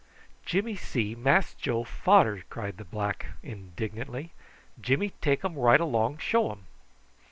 "Jimmy see Mass Joe fader," cried the black indignantly. "Jimmy take um right long show um."